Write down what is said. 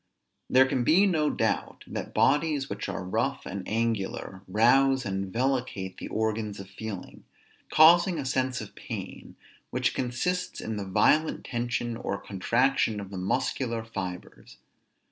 There can be no doubt that bodies which are rough and angular, rouse and vellicate the organs of feeling, causing a sense of pain, which consists in the violent tension or contraction of the muscular fibres.